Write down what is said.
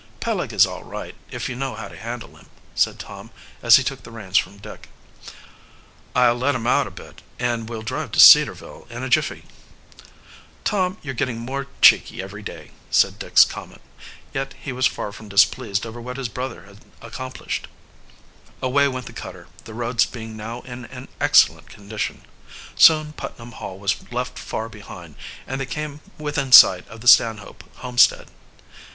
"Peleg is all right, if you know how to handle him," said Tom, as he took the reins from Dick. "I'll let him out a bit, and we'll drive to Cedarville in a jiffy." "Tom, you're getting more cheeky every day," was Dick's comment, yet he was far from displeased over what his brother had accomplished. Away went the cutter, the roads being now in an excellent condition. Soon Putnam Hall was left far behind, and they came within sight of the Stanhope homestead.